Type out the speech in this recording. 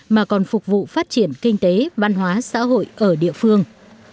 mà còn phục vụ phát triển kinh tế văn hóa xã hội ở địa phương